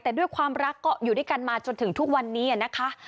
แต่ด้วยความรักก็อยู่ด้วยกันมาจนถึงทุกวันนี้นะคะ